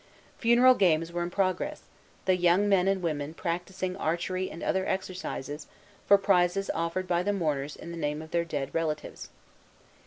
Funeral games were in progress, the young men and women practising archery and other exercises, for prizes offered by the mourners in the name of their dead relatives.